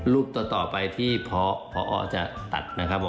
รูปต่อไปที่พ้ออจะตัดนะครับ